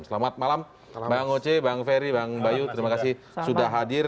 selamat malam bang oce bang ferry bang bayu terima kasih sudah hadir